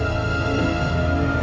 bulu kepala selai saja ratu